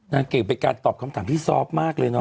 นางเก่งเป็นการตอบคำถามที่ซอฟต์มากเลยเนอ